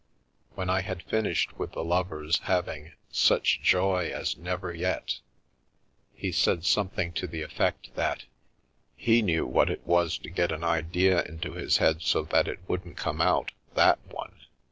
When I had finished with the lovers having " such joy as never yet," he said Via Amoris something to the effect that " He knew what it was to get an idea into his head so that it wouldn't come out, that one